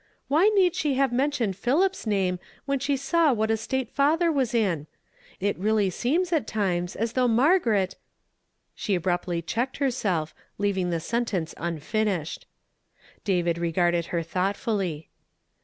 " Why need she have mentioned Philip's name, when she saw what a state fatlier was in ? It really seems, at times, as th )Ugli Margaret "— she ahrnptly checked herself, k'aving the sentence unfinished. David regarded her thoughtfully.